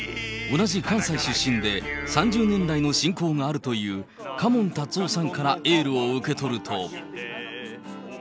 同じ関西出身で、３０年来の親交があるという嘉門タツオさんからエールを受け取ると。